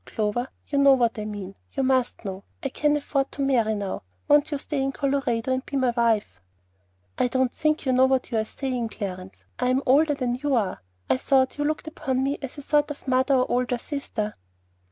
Clover, you know what I mean; you must know. I can afford to marry now; won't you stay in Colorado and be my wife?" "I don't think you know what you are saying, Clarence. I'm older than you are. I thought you looked upon me as a sort of mother or older sister."